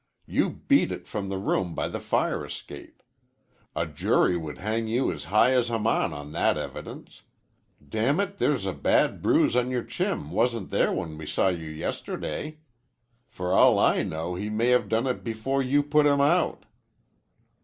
You beat it from the room by the fire escape. A jury would hang you high as Haman on that evidence. Damn it, there's a bad bruise on your chin wasn't there when we saw you yesterday. For all I know he may have done it before you put him out."